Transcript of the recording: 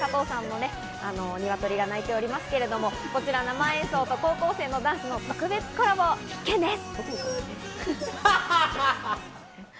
加藤さんのニワトリが鳴いておりますけど、こちら生演奏と高校生のダンスの特別コラボ、必見です。